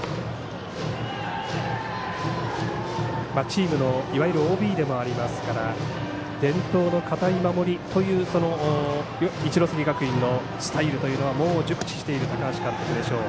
チームのいわゆるＯＢでもありますから伝統の堅い守りという一関学院のスタイルというのは熟知している高橋監督でしょう。